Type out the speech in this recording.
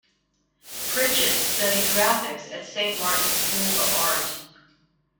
Pritchett studied graphics at Saint Martin's School of Art.